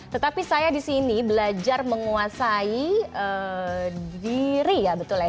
tetapi saya di sini belajar menguasai diri ya betul ya